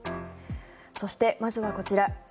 そして、まずはこちら。